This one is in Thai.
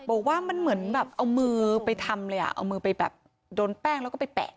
บอกว่ามันเหมือนแบบเอามือไปทำเลยอ่ะเอามือไปแบบโดนแป้งแล้วก็ไปแปะ